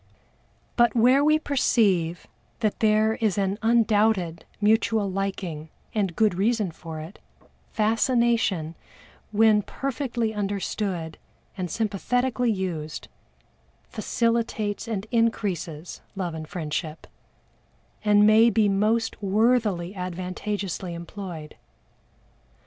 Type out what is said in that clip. But where we perceive that there is an undoubted mutual liking and good reason for it, fascination, when perfectly understood and sympathetically used, facilitates and increases love and friendship, and may be most worthily and advantageously employed.